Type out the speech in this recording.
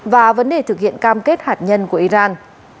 và vấn đề thực hiện cam kết hạt nhân của iran